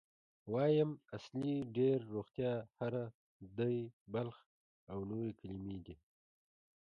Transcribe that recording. وایم، اصلي، ډېر، روغتیا، هره، دی، بلخ او نورې کلمې دي.